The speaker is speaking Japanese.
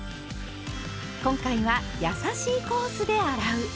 今回は「やさしいコースで洗う」。